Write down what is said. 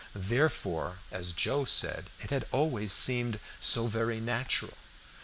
Therefore, as Joe said, it had always seemed so very natural.